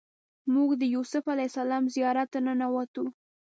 موږ د یوسف علیه السلام زیارت ته ننوتو.